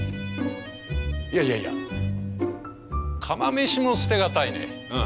いやいやいや釜飯も捨てがたいね。